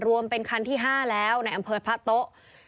รวมเป็นคันที่๕แล้วในอำเภอพะโต๊ะ